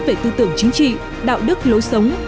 về tư tưởng chính trị đạo đức lối sống